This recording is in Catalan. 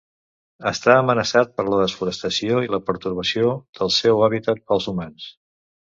Està amenaçat per la desforestació i la pertorbació del seu hàbitat pels humans.